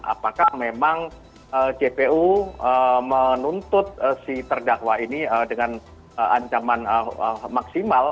apakah memang jpu menuntut si terdakwa ini dengan ancaman maksimal